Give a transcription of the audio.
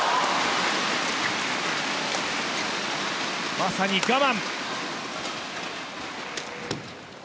まさに我慢。